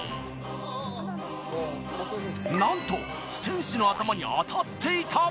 なんと選手の頭に当たっていた！